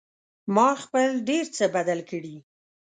ما خپل ډېر څه بدل کړي